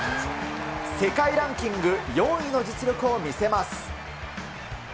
世界ランキング４位の実力を見せます。